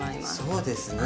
そうですね。